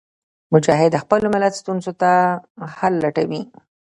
مجاهد د خپل ملت ستونزو ته حل لټوي.